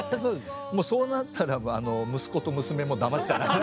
もうそうなったらば息子と娘も黙っちゃいない。